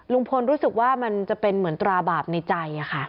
ลุงพลรู้สึกว่ามันจะเป็นเหมือนตราบาปในใจค่ะ